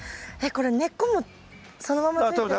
これ根っこもそのままついてる。